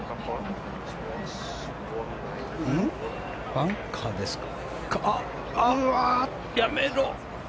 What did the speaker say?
バンカーですか？